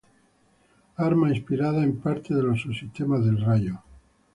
Arma inspirada en parte de los subsistemas del Rayo.